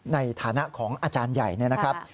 ในฐานะของอาจารย์ใหญ่เนี่ยนะครับ